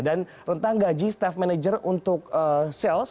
dan rentang gaji staff manager untuk sales